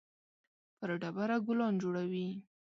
پر ډبره ګلان جوړوي